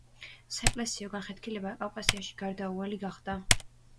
საეკლესიო განხეთქილება კავკასიაში გარდაუვალი გახდა.